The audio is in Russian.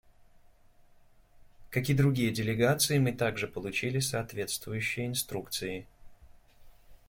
Как и другие делегации, мы также получили соответствующие инструкции.